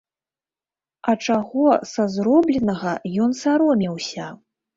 А чаго са зробленага ён саромеўся?